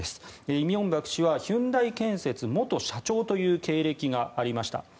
李明博氏はヒュンダイ建設元社長という経歴がありました。